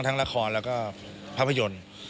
ทั้งละครแล้วก็ภาพยนตร์